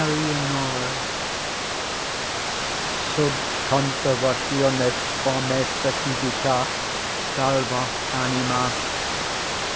ELEONORA Sub conservatione formæ specificæ salva anima.